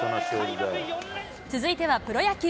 続いてはプロ野球。